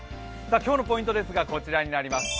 今日のポイントですが、こちらになります。